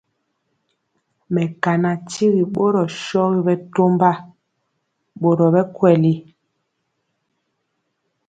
Mekana tyigi borɔ shɔgi bɛtɔmba bori bɛ kweli.